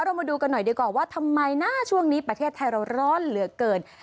มาดูกันหน่อยดีกว่าว่าทำไมนะช่วงนี้ประเทศไทยเราร้อนเหลือเกิน